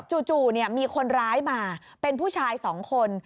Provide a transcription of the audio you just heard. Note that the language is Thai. จู่มีคนร้ายมาเป็นผู้ชาย๒คน